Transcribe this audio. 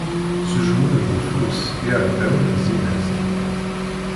S ujenwi deg ufus, iɛdawen zzin-as-d.